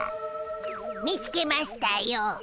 見つけましたよ。